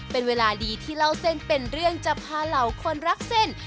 เป็นเวลาดีที่เล่าเส้นเป็นเรื่องจะพาเหล่าคนรักเส้น